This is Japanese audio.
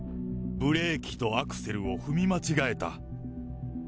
ブレーキとアクセルを踏み間